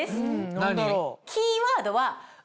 何だろう？